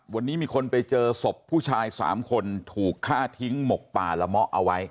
วันนี้มีคนไปเจอศพผู้ชาย๓คนถูกฆ่าทิ้งหมกป่าละเมาะเอาไว้